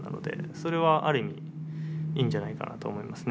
それはある意味いいんじゃないかなと思いますね。